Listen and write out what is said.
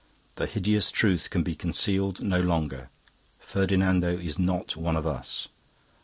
The hideous truth can be concealed no longer: Ferdinando is not one of us.